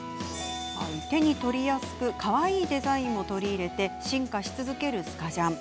手に取りやすくかわいいデザインも取り入れて進化し続けるスカジャン。